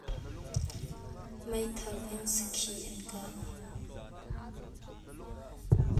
Meithal in sakhi a kah.